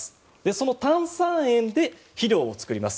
その炭酸塩で肥料を作ります。